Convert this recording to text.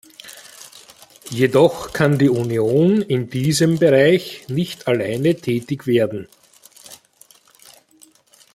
Jedoch kann die Union in diesem Bereich nicht alleine tätig werden.